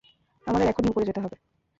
আমাদের এখনই উপরে যেতে হবে!